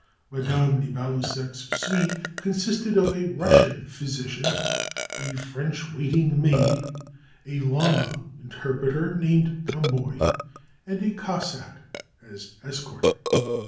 Madame de Baluseck's suite consisted of a Russian physician; a French waiting maid; a Lama interpreter, named Gomboï; and a Cossack (as escort).